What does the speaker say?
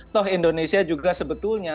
toh indonesia juga sebetulnya